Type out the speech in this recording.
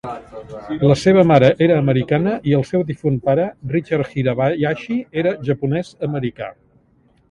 La seva mare era americana i el seu difunt pare, Richard Hirabayashi, era japonès-americà.